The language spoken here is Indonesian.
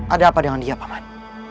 ada apa dengan dia paman